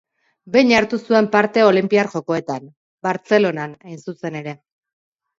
Behin hartu zuen parte Olinpiar Jokoetan: Bartzelonan, hain zuzen ere.